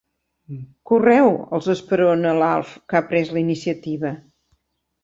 Correu! —els esperona l'Alf, que ha pres la iniciativa.